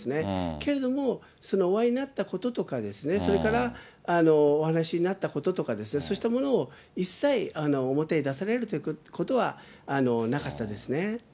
けれども、そのお会いになったこととか、それからお話になったこととか、そうしたものを一切表へ出されるということはなかったですね。